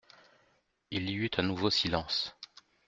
Il y eut un nouveau silence.